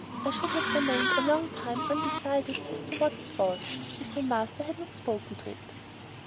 I should have remained a long time undecided as to what it was, if my master had not spoken to it.